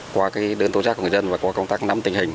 qua cái đơn tố giác của người dân và qua công tác năm tình hình